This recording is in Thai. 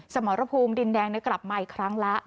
สมรภูมิดินแดงกลับมาอีกครั้งแล้ว